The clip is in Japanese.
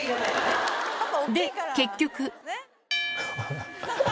で結局。